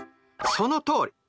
そのとおり。